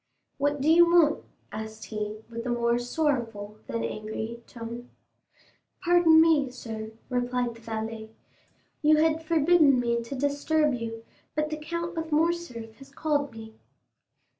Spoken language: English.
"What do you want?" asked he, with a more sorrowful than angry tone. "Pardon me, sir," replied the valet; "you had forbidden me to disturb you, but the Count of Morcerf has called me."